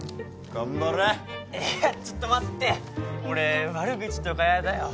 頑張れっいやちょっと待って俺悪口とかやだよ